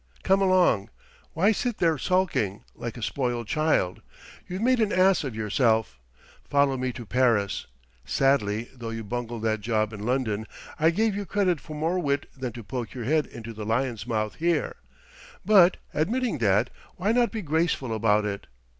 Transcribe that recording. Come along! Why sit there sulking, like a spoiled child? You've made an ass of yourself, following me to Paris; sadly though you bungled that job in London, I gave you credit for more wit than to poke your head into the lion's mouth here. But admitting that why not be graceful about it?